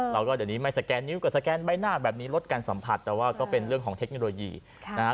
เราก็เดี๋ยวนี้ไม่สแกนนิ้วกับสแกนใบหน้าแบบนี้ลดการสัมผัสแต่ว่าก็เป็นเรื่องของเทคโนโลยีนะฮะ